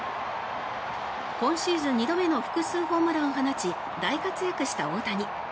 今シーズン２度目の複数ホームランを放ち大活躍した大谷。